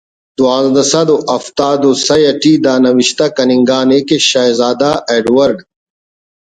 دوانزدہ سد ہفتاد و سہ اٹی دا نوشتہ کننگا نے کہ شہزادہ ایڈ ورڈ